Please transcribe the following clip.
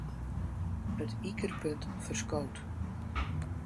It ikerpunt ferskoot.